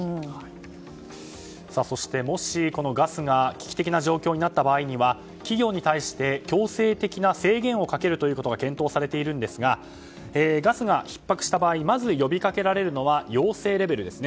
そして、もしこのガスが危機的な状況になった場合には企業に対して強制的な制限をかけるということが検討されていますがガスがひっ迫した場合まず呼びかけられるのが要請レベルです。